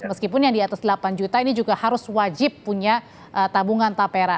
meskipun yang di atas delapan juta ini juga harus wajib punya tabungan tapera